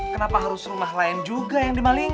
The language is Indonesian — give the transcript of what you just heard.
kenapa harus rumah lain juga yang dimakan